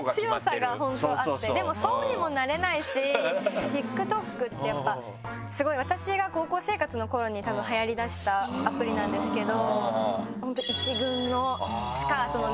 でもそうにもなれないしＴｉｋＴｏｋってやっぱ私が高校生活の頃にたぶんはやりだしたアプリなんですけど。